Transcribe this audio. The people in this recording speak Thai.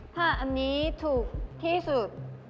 ถ้าอันนี้ถูกที่สุด